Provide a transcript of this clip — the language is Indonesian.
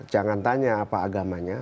jangan tanya apa agamanya